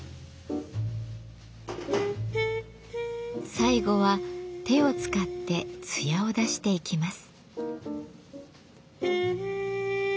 最後は手を使って艶を出していきます。